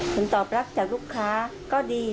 ผลตอบรับจากลูกค้าก็ดี